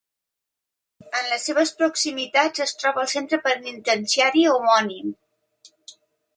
En les seves proximitats es troba el centre penitenciari homònim.